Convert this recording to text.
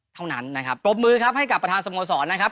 เท่านั้นนะครับปรบมือครับให้กับประธานสโมสรนะครับ